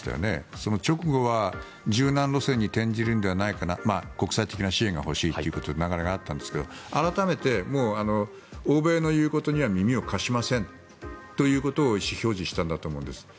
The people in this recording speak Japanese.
その直後は柔軟路線に転じるのではないかな国際的な支援が欲しいという流れがあったんですけど改めて欧米の言うことには耳を貸しませんということを意思表示したと思うんです。